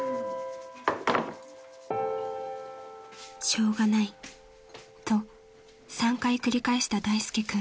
［「しょうがない」と３回繰り返した大介君］